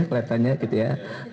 kelihatannya gitu ya